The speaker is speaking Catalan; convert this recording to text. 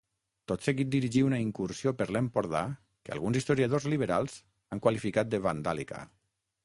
Tot seguit dirigí una incursió per l'Empordà que alguns historiadors liberals han qualificat de vandàlica.